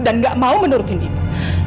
dan gak mau menurutin ibu